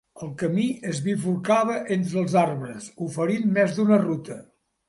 El camí es bifurcava entre els arbres, oferint més d'una ruta.